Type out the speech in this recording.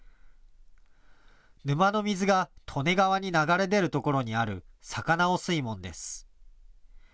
沼の水が利根川に流れ出る所にある酒直水門です。